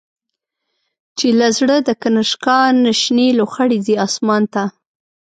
چی له زړه د”کنشکا”نه، شنی لو خړی ځی آسمان ته